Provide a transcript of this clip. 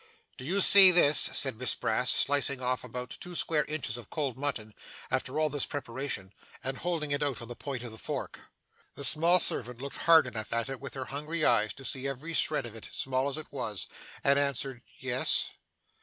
'Do you see this?' said Miss Brass, slicing off about two square inches of cold mutton, after all this preparation, and holding it out on the point of the fork. The small servant looked hard enough at it with her hungry eyes to see every shred of it, small as it was, and answered, 'yes.